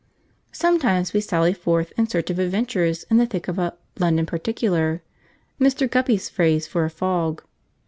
Sometimes we sally forth in search of adventures in the thick of a 'London particular,' Mr. Guppy's phrase for a fog.